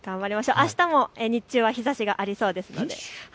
あしたも日中は日ざしがありそうです。